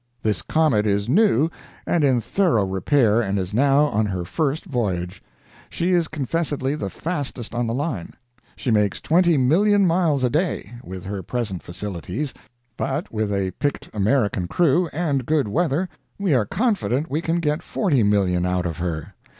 This comet is new and in thorough repair and is now on her first voyage. She is confessedly the fastest on the line. She makes 20,000,000 miles a day, with her present facilities; but, with a picked American crew and good weather, we are confident we can get 40,000,000 out of her.